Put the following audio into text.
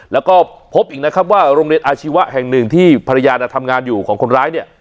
แล้วก็พบอีกนะครับว่าโรงเรียนอาชีวะแห่งหนึ่งที่ภรรยาทำงานอยู่ของคนร้ายเนี่ย